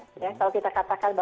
oh mereka sangat toleran